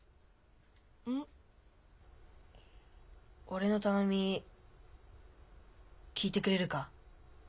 俺の頼み聞いてくれるか？